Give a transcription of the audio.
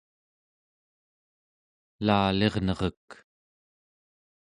elalirnerek